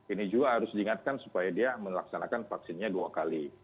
ini juga harus diingatkan supaya dia melaksanakan vaksinnya dua kali